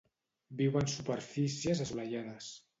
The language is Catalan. Viu en superfícies assolellades.